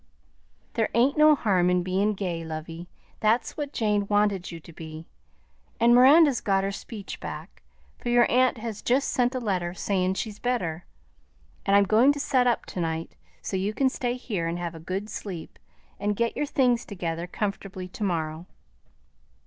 "There ain't no harm in bein' gay, lovey; that's what Jane wanted you to be. And Miranda's got her speech back, for your aunt has just sent a letter sayin' she's better; and I'm goin' to set up to night, so you can stay here and have a good sleep, and get your things together comfortably to morrow."